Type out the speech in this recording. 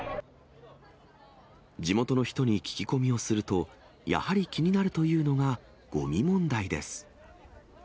地元の人に聞き込みをすると、やはり気になるというのが、ごみ問題です。